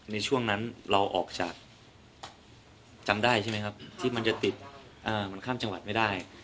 ในช่วงนั้นเราออกจากจำได้ใช่ไหมครับที่มันจะติดมันข้ามจังหวัดไม่ได้